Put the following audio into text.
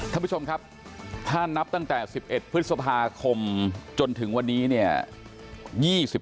ท่านผู้ชมครับถ้านับตั้งแต่๑๑พฤษภาคมจนถึงวันนี้เนี่ย